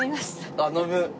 あっ飲む？